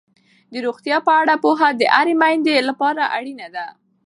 د روغتیا په اړه پوهه د هرې میندې لپاره اړینه ده.